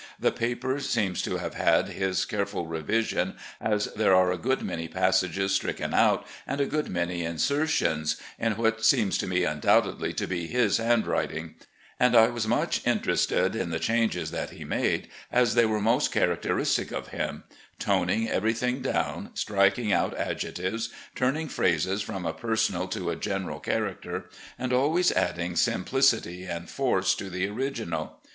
The paper seems to have had his careful revision, as there are a good many passages stricken out and a good many insertions in what seems to me tindoubtedly to be his handwriting ; and I was very much interested in the changes that he made, as they were most characteristic of him — ^toning ever3rthing down, striking out adjectives, turning phrases from a personal to a general character, and always adding simplicity and force to the original.